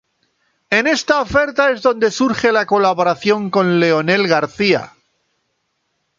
En esta oferta es donde surge la colaboración con Leonel García.